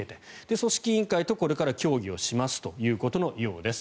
組織委員会とこれから協議をしますということのようです。